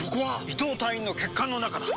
伊藤隊員の血管の中だ！